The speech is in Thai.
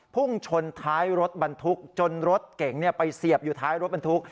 พุ่งชนท้ายรถบรรทุกจนรถเก๋งไปเสียบอยู่ท้ายรถบรรทุก